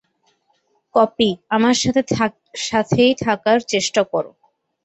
Copy, আমার সাথে-সাথেই থাকার চেষ্টা করো।